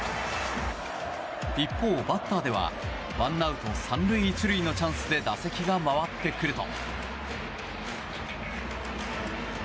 一方、バッターではワンアウト３塁１塁のチャンスで打席が回ってくると。